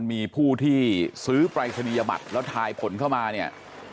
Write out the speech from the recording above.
มีผู้ที่ซื้อปรายศนียบัตรแล้วทายผลเข้ามาเนี่ย